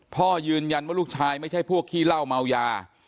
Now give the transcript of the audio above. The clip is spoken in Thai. พ่อยืนยันว่าลูกชายไม่ใช่พวกขี้เหล้าเมายา